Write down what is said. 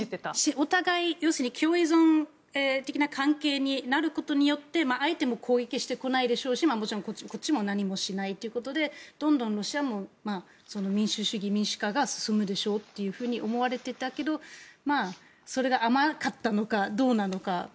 お互い、共依存的な関係になることによって相手も攻撃してこないでしょうしもちろんこっちも何もしないということでどんどんロシアも民主主義、民主化が進むでしょうって思われていたけどそれが甘かったのかどうなのか。